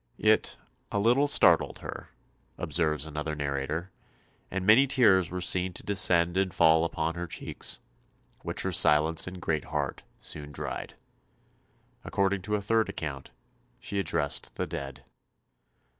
It "a little startled her," observes another narrator, "and many tears were seen to descend and fall upon her cheeks, which her silence and great heart soon dried." According to a third account, she addressed the dead.